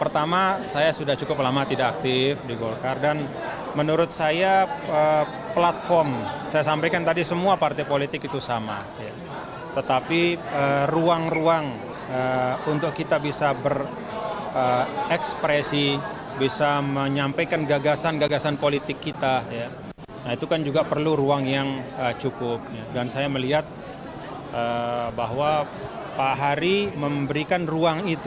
dan saya melihat bahwa pak hari memberikan ruang itu